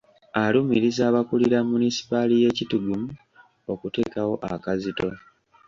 Alumiriza abakulira Munisipaali ye Kitgum okumuteekako akazito